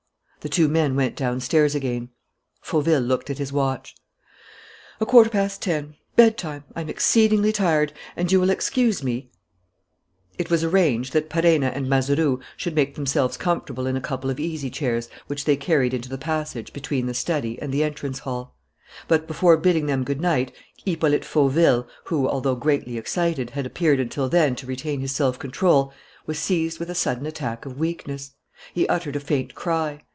The two men went downstairs again. Fauville looked at his watch. "A quarter past ten: bedtime, I am exceedingly tired, and you will excuse me " It was arranged that Perenna and Mazeroux should make themselves comfortable in a couple of easy chairs which they carried into the passage between the study and the entrance hall. But, before bidding them good night, Hippolyte Fauville, who, although greatly excited, had appeared until then to retain his self control, was seized with a sudden attack of weakness. He uttered a faint cry.